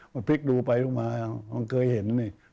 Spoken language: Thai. มันพลิกดูไปดูมามันเคยเห็นนี่